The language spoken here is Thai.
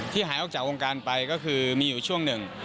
หายออกจากวงการไปก็คือมีอยู่ช่วงหนึ่ง